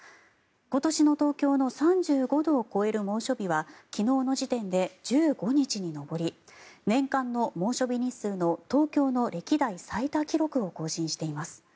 今年の東京の３５度を超える猛暑日は昨日の時点で１５日に上り年間の猛暑日日数の東京の歴代最多記録を更新しています。